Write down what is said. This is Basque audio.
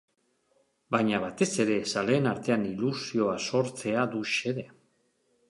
Baina, batez ere, zaleen artean ilusioa sortzea du xede.